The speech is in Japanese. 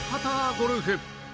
ゴルフ。